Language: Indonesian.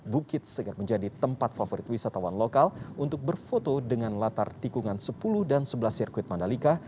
bukit segar menjadi tempat favorit wisatawan lokal untuk berfoto dengan latar tikungan sepuluh dan sebelas sirkuit mandalika